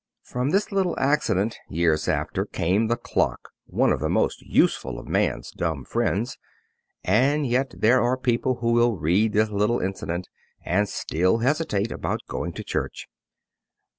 From this little accident, years after, came the clock, one of the most useful of man's dumb friends. And yet there are people who will read this little incident and still hesitate about going to church.